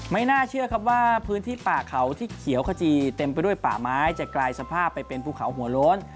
ไม่น่าเชื่อครับว่าพื้นที่ป่าเขาที่เขียวขจีเต็มไปด้วยป่าไม้จะกลายสภาพไปเป็นภูเขาหัวโล้น